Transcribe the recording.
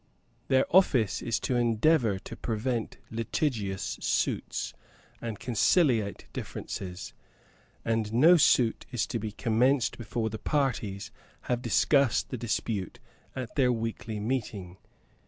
Their office is to endeavour to prevent litigious suits, and conciliate differences. And no suit is to be commenced before the parties have discussed the dispute at their weekly meeting.